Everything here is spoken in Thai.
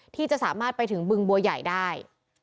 ที่จะสามารถไปถึงบึงบัวใหญ่ได้